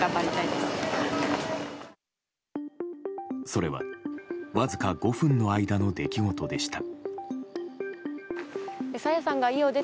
それは、わずか５分の間の出来事でした。